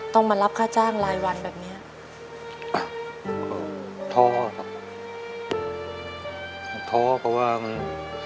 ต้องมารับค่าจ้างรายวันแบบเนี้ยท้อครับท้อเพราะว่ามัน